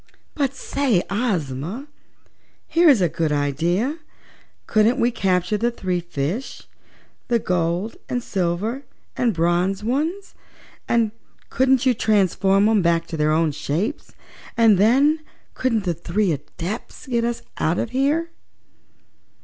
"But say, Ozma, here's a good idea! Couldn't we capture the three fishes the gold and silver and bronze ones, and couldn't you transform 'em back to their own shapes, and then couldn't the three Adepts get us out of here?"